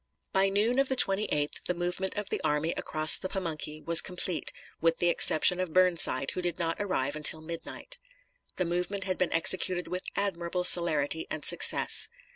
By noon of the 28th the movement of the army across the Pamunkey was complete, with the exception of Burnside, who did not arrive until midnight. The movement had been executed with admirable celerity and success.